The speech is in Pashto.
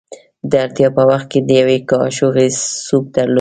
د اړتیا په وخت کې د یوې کاشوغې سوپ درلودل.